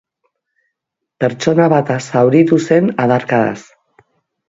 Pertsona bat zauritu zen adarkadaz.